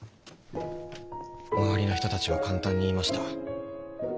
周りの人たちは簡単に言いました。